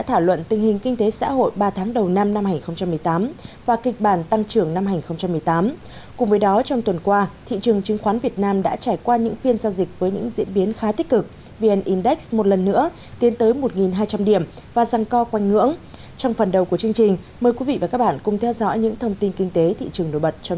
thưa quý vị và các bạn trong tuần qua thủ tướng nguyễn xuân phúc đã chủ trì phiên họp chính phủ thường kỳ tháng ba năm hai nghìn một mươi tám